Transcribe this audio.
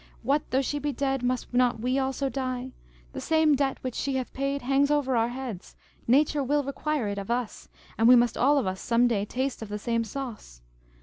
What though she be dead, must not we also die? The same debt which she hath paid hangs over our heads; nature will require it of us, and we must all of us some day taste of the same sauce.